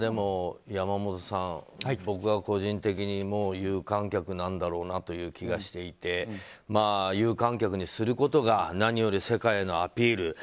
山本さん、僕は個人的にもう有観客なんだろうなという気がしていて有観客にすることが何より世界へのアピール